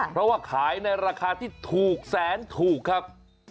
เพราะว่าขายในราคาที่ถูกแสนถูกครับ